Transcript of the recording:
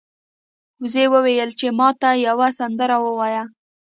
وزې وویل چې ما ته یوه سندره ووایه.